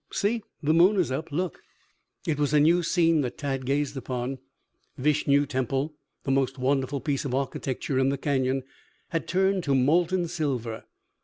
See, the moon is up. Look!" It was a new scene that Tad gazed upon. Vishnu Temple, the most wonderful piece of architecture in the Canyon, had turned to molten silver.